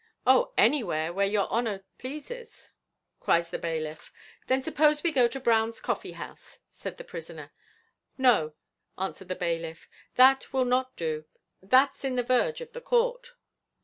"O, anywhere: where your honour pleases," cries the bailiff. "Then suppose we go to Brown's coffee house," said the prisoner. "No," answered the bailiff, "that will not do; that's in the verge of the court."